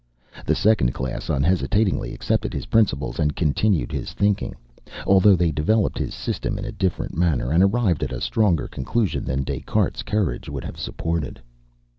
The second class unhesitatingly accepted his principles, and continued his thinking, although they developed his system in a different manner, and arrived at stronger conclusions than Des Cartes's courage would have supported.